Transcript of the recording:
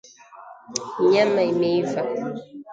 Nyama imeiva